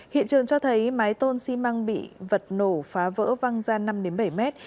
hiện trường cho thấy mái tôn xi măng bị vật nổ phá vỡ văng ra năm bảy mét